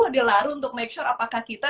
dia lari untuk make sure apakah kita